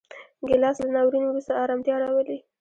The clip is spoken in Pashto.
ګیلاس له ناورین وروسته ارامتیا راولي.